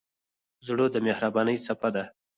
زړه د مهربانۍ څپه ده.